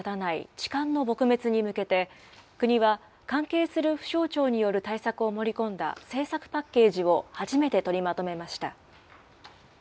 痴漢の撲滅に向けて、国は関係する府省庁による対策を盛り込んだ政策パッケージを初めて取りまとめました。